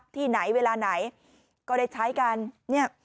ที่ไหนเวลาไหนก็ได้ใช้กันเนี่ย